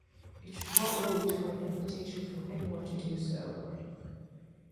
It should not wait for an invitation from anyone to do so.